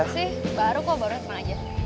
gak apa sih baru kok baru aja